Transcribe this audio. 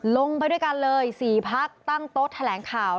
ลงไปด้วยกันเลย๔พักตั้งโต๊ะแถลงข่าว